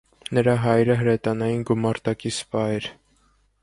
Նրա հայրը հրետանային գումարտակի սպա էր։